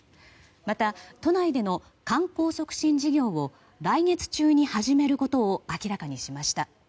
また都内での観光促進事業を来月中に始めることを明らかにしました。